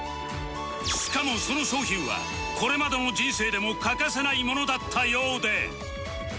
しかもその商品はこれまでの人生でも欠かせないものだったようで